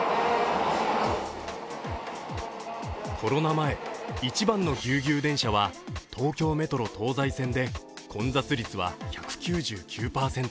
コロナ前、一番のギュウギュウ電車は東京メトロ東西線で混雑率は１９９％。